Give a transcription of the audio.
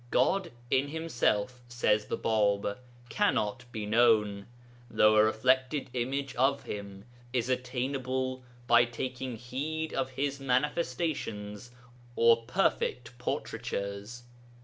'] God in Himself, says the Bāb, cannot be known, though a reflected image of Him is attainable by taking heed to His manifestations or perfect portraitures.